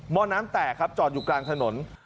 ้อน้ำแตกครับจอดอยู่กลางถนน